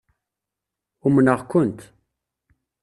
Umneɣ-kent.